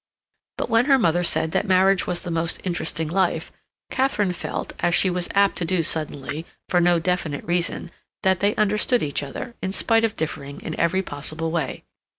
But when her mother said that marriage was the most interesting life, Katharine felt, as she was apt to do suddenly, for no definite reason, that they understood each other, in spite of differing in every possible way.